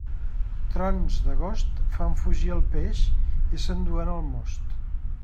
Trons d'agost fan fugir el peix i s'enduen el most.